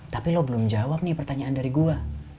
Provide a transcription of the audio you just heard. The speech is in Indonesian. tapi lo belum jawab nih pertanyaan dari gue